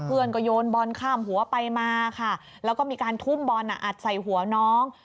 เพื่อนก็โยนบอลข้ามหัวไปมาค่ะแล้วก็มีการทุ่มบอลอัดใส่หัวน้อง